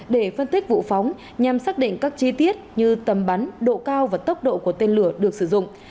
để phân tích vụ phóng nhằm xác định các chi tiết như tầm bắn độ cao và tốc độ của tên lửa được sử dụng